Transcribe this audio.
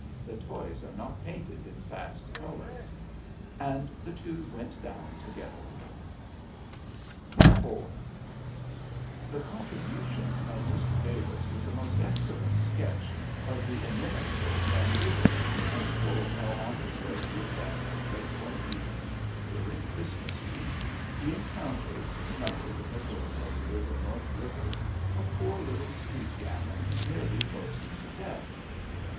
The toys are not painted in fast colors.' "And the two went down together." IV The contribution of Mr. Davis was a most excellent sketch of the inimitable Van Bibber, and told how on his way to a dance late one evening during Christmas week he encountered, snuggled in a doorway near the North River, a poor little street gamin nearly frozen to death.